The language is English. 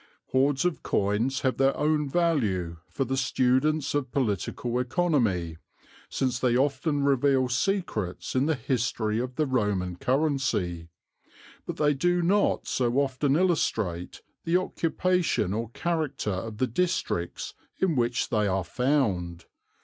"Hoards of coins have their own value for the students of Political Economy, since they often reveal secrets in the history of the Roman currency. But they do not so often illustrate the occupation or character of the districts in which they are found.